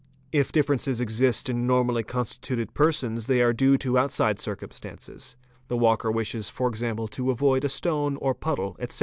If differences exist in normally constituted 524 FOOTPRINTS persons they are due to outside circumstances; the walker wishes for example to avoid a stone or puddle, etc.